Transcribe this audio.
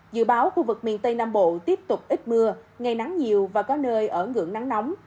dự báo khu vực miền tây nam bộ tiếp tục ít mưa ngày nắng nhiều và có nơi ở ngưỡng nắng nóng